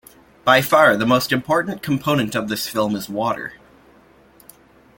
By far, the most important component of this film, is water.